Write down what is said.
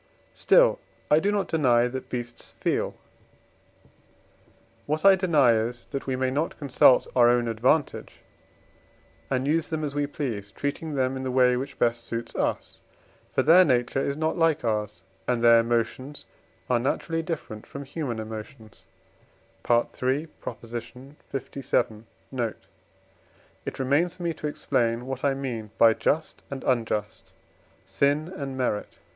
Still I do not deny that beasts feel: what I deny is, that we may not consult our own advantage and use them as we please, treating them in the way which best suits us; for their nature is not like ours, and their emotions are naturally different from human emotions (III. lvii. note). It remains for me to explain what I mean by just and unjust, sin and merit.